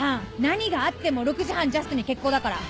何があっても６時半ジャストに決行だから。